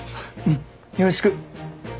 うんよろしく。